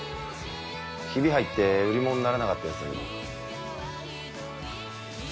ヒビ入って売り物にならなかったやつだけど。